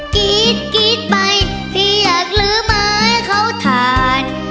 กรี๊ดกรี๊ดไปที่อยากลื้อไม้เขาทาน